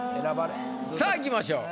さあいきましょう。